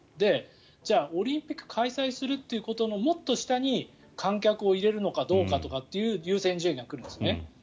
じゃあ、オリンピックを開催するということのもっと下に観客を入れるのかどうかっていう優先順位が来るんですね。